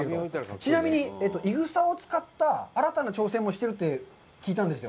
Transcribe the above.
ちなみに、いぐさを使った新たな挑戦もしてるって聞いたんですよ。